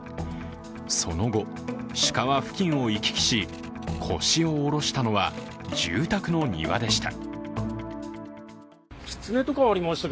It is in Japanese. その後、鹿は付近を行き来し腰を下ろしたのは住宅の庭でした。